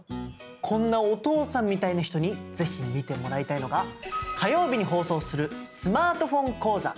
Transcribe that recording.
こんなお父さんみたいな人に是非見てもらいたいのが火曜日に放送するスマートフォン講座。